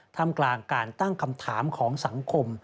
ทำกลางการตั้งคำถามของสังคม